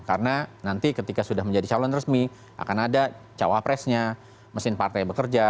karena nanti ketika sudah menjadi calon resmi akan ada cawapresnya mesin partai bekerja